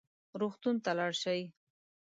روغتون ته لاړ شئ